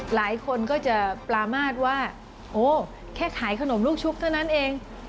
หลายคนก็จะปรามาทว่าโอ้แค่ขายขนมลูกชุบเท่านั้นเอง